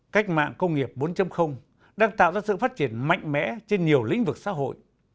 cách mạng công nghiệp bốn đang tạo ra sự phát triển mạnh mẽ trên nhiều lĩnh vực xã hội